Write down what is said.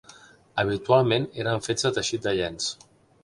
Habitualment eren fets de teixit de llenç.